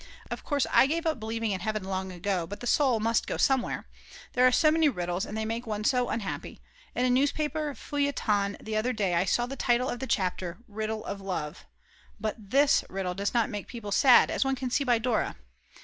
Of course I gave up believing in Heaven long ago; but the soul must go somewhere. There are so many riddles, and they make one so unhappy; in a newspaper feuilleton the other day I saw the title of a chapter: The Riddle of Love. But this riddle does not make people sad, as one can see by Dora.